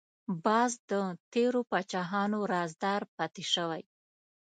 باز د تیرو پاچاهانو رازدار پاتې شوی